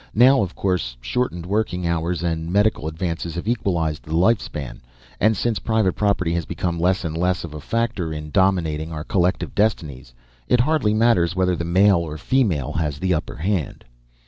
Now, of course, shortened working hours and medical advances have equalized the life span. And since private property has become less and less of a factor in dominating our collective destinies, it hardly matters whether the male or the female has the upper hand.